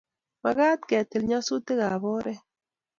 Makat ketil nyasutik ab oret